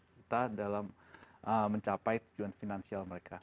kita dalam mencapai tujuan finansial mereka